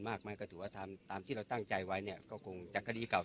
มากไหมก็ถือว่าทำตามที่เราตั้งใจไว้เนี่ยก็คงจะคดีเก่า